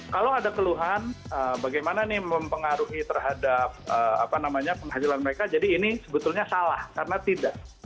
kalau ada keluhan bagaimana ini mempengaruhi terhadap penghasilan mereka jadi ini sebetulnya salah karena tidak